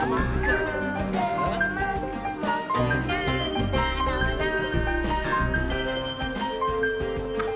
「もーくもくもくなんだろなぁ」